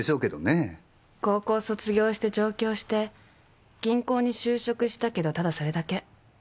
高校卒業して上京して銀行に就職したけどただそれだけ。